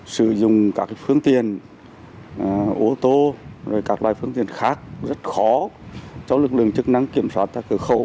sử dụng các phương tiền ô tô các loài phương tiền khác rất khó cho lực lượng chức năng kiểm soát ta cử khẩu